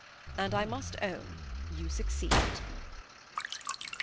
And I must own you succeed."